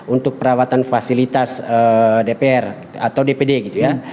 untuk perawatan fasilitas dpr atau dpd gitu ya